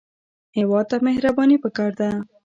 هېواد ته مهرباني پکار ده